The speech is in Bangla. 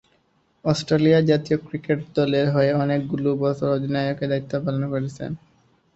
অস্ট্রেলিয়া জাতীয় ক্রিকেট দলের হয়ে অনেকগুলো বছর অধিনায়কের দায়িত্ব পালন করেছেন।